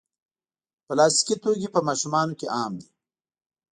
پلاستيکي توکي په ماشومانو کې عام دي.